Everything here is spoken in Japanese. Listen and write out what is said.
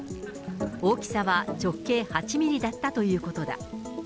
大きさは直径８ミリだったということだ。